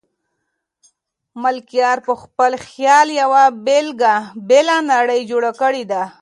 ملکیار په خپل خیال یوه بېله نړۍ جوړه کړې ده.